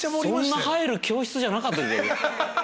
そんな入る教室じゃなかった。